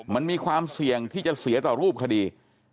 มันมีความเสี่ยงที่จะเสียต่อรูปคดี